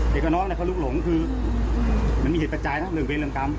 เด็กของน้องเขาลูกหลงคือมันมีเหตุปัจจัยนะเรื่องเวรกรรม